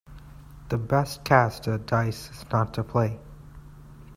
The best cast at dice is not to play.